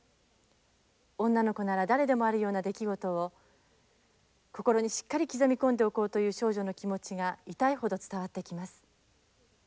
女の子なら誰でもあるような出来事を心にしっかり刻み込んでおこうという少女の気持ちが痛いほど伝わってきます。